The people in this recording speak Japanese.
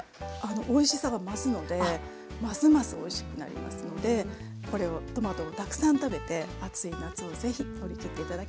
おいしさが増すのでますますおいしくなりますのでトマトをたくさん食べて暑い夏をぜひ乗り切って頂きたいです。